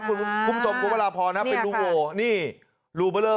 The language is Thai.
คุณคุมจบกว่าเวลาพอนะครับนี่ค่ะเป็นลูโหนี่ลูเบอร์เลอร์